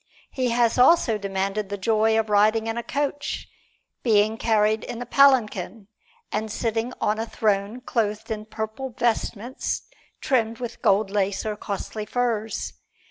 He has also demanded the joy of riding in a coach, being carried in a palanquin, and sitting on a throne clothed in purple vestments, trimmed with gold lace or costly furs.